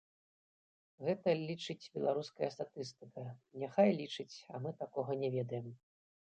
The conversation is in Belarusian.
Гэта лічыць беларуская статыстыка, няхай лічыць, а мы такога не ведаем.